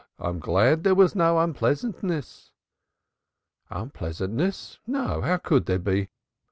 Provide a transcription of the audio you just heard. "I am glad there was no unpleasantness." "Unpleasantness. No, how could there be?